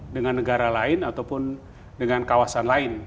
dengan negara lain ataupun dengan kawasan lain